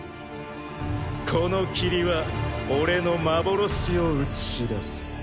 この霧は俺の幻を映し出す。